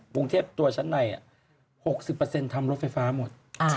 กรุงเทพตัวชั้นใน๖๐ทำรถไฟฟ้าหมด